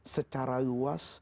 secara terbaik dan terbaik